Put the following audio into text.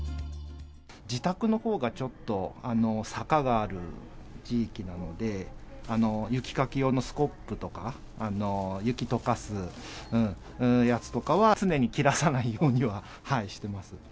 自宅のほうがちょっと坂がある地域なので、雪かき用のスコップとか、雪とかすやつとかは、常に切らさないようにはしてます。